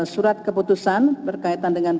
surat keputusan berkaitan dengan